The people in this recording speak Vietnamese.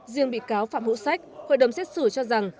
riêng bị cáo phạm hữu sách hội đồng xét xử cho rằng